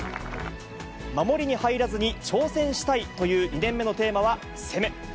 守りに入らずに挑戦したいという２年目のテーマは攻め。